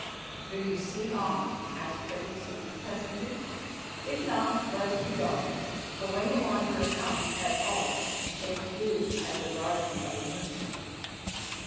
"Do you see aught?" asked Freydisa presently. "If not, let us be gone, for when the Wanderer comes at all it is at the rising of the moon."